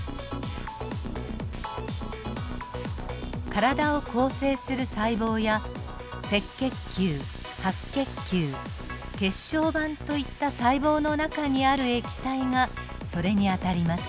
体を構成する細胞や赤血球白血球血小板といった細胞の中にある液体がそれにあたります。